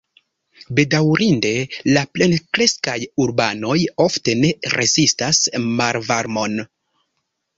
Bedaŭrinde la plenkreskaj urbanoj ofte ne rezistas malvarmon.